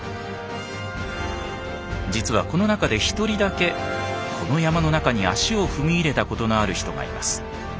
実はこの中で１人だけこの山の中に足を踏み入れたことのある人がいます。